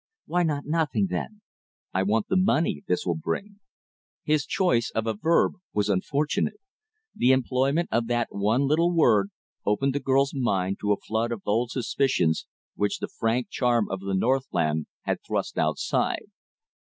"Why not nothing, then?" "I want the money this will bring." His choice of a verb was unfortunate. The employment of that one little word opened the girl's mind to a flood of old suspicions which the frank charm of the northland had thrust outside.